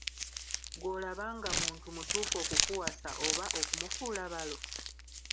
Ggw'olaba nga muntu mutuufu okukuwasa oba okumufuula balo?